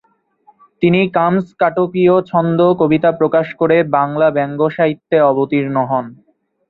তিনি "কামস্কাটকীয় ছন্দ" কবিতা প্রকাশ করে বাংলা ব্যঙ্গ সাহিত্যে অবতীর্ণ হন।